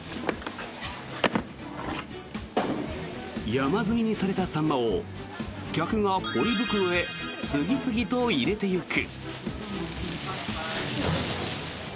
山積みにされたサンマを客がポリ袋へ次々と入れていく。